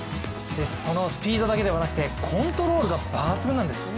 そのスピードだけじゃなくてコントロールが抜群なんです